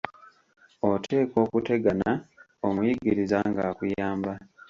Oteekwa okutegana, omuyigiriza ng'akuyamba.